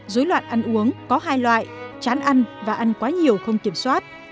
dối loạn ăn uống có hai loại chán ăn và ăn quá nhiều không kiểm soát